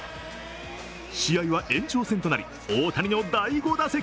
試合は延長線となり大谷の第５打席。